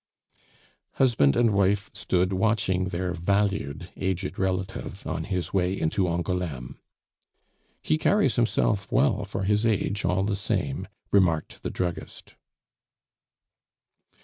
Husband and wife stood watching their valued, aged relative on his way into Angouleme. "He carries himself well for his age, all the same," remarked the druggist.